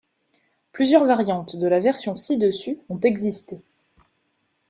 Plusieurs variantes de la version ci-dessus ont existé.